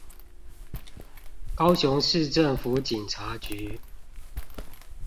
高雄市政府警察局